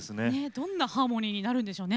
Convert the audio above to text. どんなハーモニーになるんでしょうね